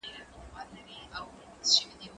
پاکوالي د زهشوم له خوا ساتل کيږي